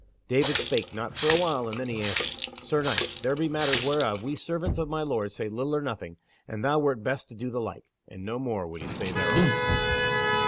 David spake not for a while, and then he answered: "Sir Knight, there be matters whereof we servants of my Lord say little or nothing, and thou wert best to do the like." And no more would he say thereon.